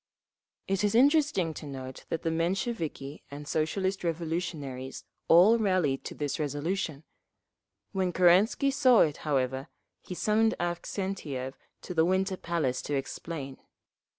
It is interesting to note that the Mensheviki and Socialist Revolutionaries all rallied to this resolution…. When Kerensky saw it, however, he summoned Avksentiev to the Winter Palace to explain.